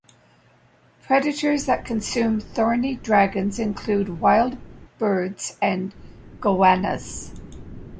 Predators that consume thorny dragons include wild birds and goannas.